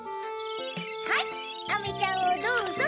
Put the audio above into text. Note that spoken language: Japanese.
はいアメちゃんをどうぞ。